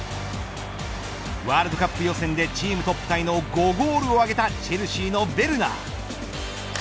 ワールドカップ予選でチームトップタイの５ゴールを挙げたチェルシーのヴェルナー。